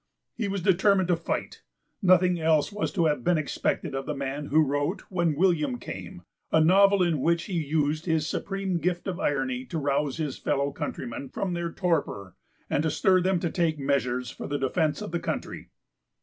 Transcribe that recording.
He was determined to fight. p. xviiNothing else was to have been expected of the man who wrote When William Came, a novel in which he used his supreme gift of irony to rouse his fellow countrymen from their torpor and to stir them to take measures for the defence of the country.